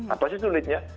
apa sih sulitnya